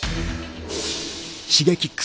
Ｓｈｉｇｅｋｉｘ